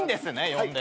呼んで。